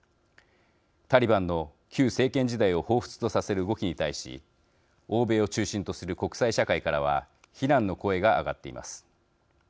タリバンの旧政権時代をほうふつとさせる動きに対し欧米を中心とする国際社会からは非難の声が上がっています。